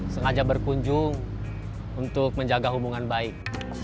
sengaja berkunjung untuk menjaga hubungan baik